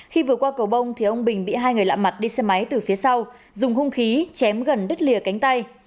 khi vừa qua cầu bông thì ông bình bị hai người lạ mặt đi xe máy từ phía sau dùng hung khí chém gần đứt lìa cánh tay